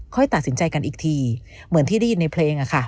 ตัดสินใจกันอีกทีเหมือนที่ได้ยินในเพลงอะค่ะ